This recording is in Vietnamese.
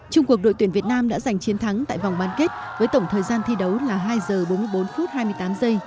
trung cuộc đội tuyển việt nam đã giành chiến thắng tại vòng ban kết với tổng thời gian thi đấu là hai h bốn mươi bốn hai mươi tám